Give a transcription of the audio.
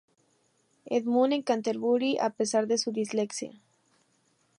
Edmund en Canterbury a pesar de su dislexia.